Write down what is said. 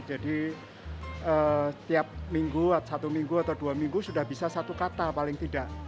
jadi tiap minggu satu minggu atau dua minggu sudah bisa satu kata paling tidak